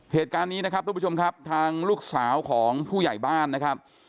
เหตุการณ์นี้นะครับทุกผู้ชมครับทางลูกสาวของผู้ใหญ่บ้านนะครับ